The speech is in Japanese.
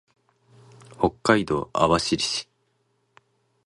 北海道網走市